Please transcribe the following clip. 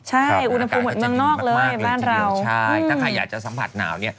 ใช่อุณหภูมิเหมือนเมืองนอกเลยบ้านเราใช่ถ้าใครอยากจะสัมผัสหนาวเนี่ย